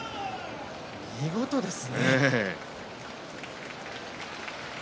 見事ですね。